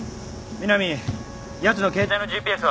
南やつの携帯のＧＰＳは？